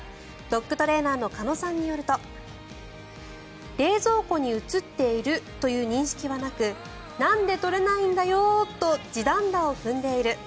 ドッグトレーナーの鹿野さんによると冷蔵庫に映っているという認識はなくなんで取れないんだよー！と地団太を踏んでいる。